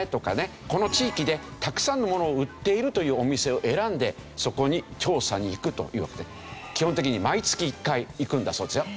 この地域でたくさんのものを売っているというお店を選んでそこに調査に行くというわけで基本的に毎月１回行くんだそうですよ。